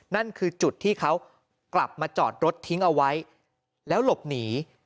นั่นคือจุดที่เขากลับมาจอดรถทิ้งเอาไว้แล้วหลบหนี